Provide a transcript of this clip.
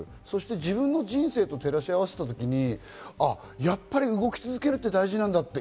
そして自分の人生と照らし合わせた時、やっぱり動き続けるって大事なんだ。